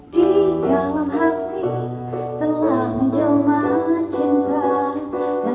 di dalam hati telah menjelma cinta dan